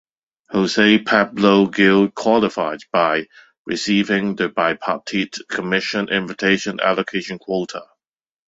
Jose Pablo Gil qualified by receiving the bipartite commission invitation allocation quota.